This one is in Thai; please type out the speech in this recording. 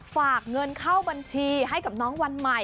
ฝากเงินเข้าบัญชีให้กับน้องวันใหม่